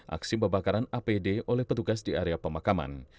aksi pembakaran apd oleh petugas di area pemakaman